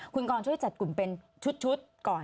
คุณกรช่วยจัดกลุ่มเป็นชุดก่อน